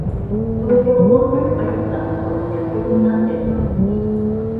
東京特許許可局だったところ薬局になってる！